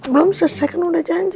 belum selesai kan udah janji